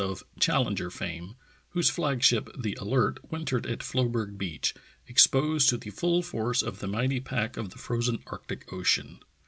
of Chal lenger fame, whose flag ship, the Alert, wintered at Floeberg Beach, exposed to the full force of the mighty pack of the frozen Arctic Ocean.